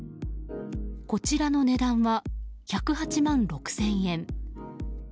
こちらの値段は１０８万６０００円。